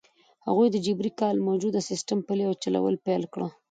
هغوی د جبري کار موجوده سیستم پلی او چلول پیل کړ.